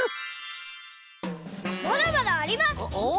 まだまだあります！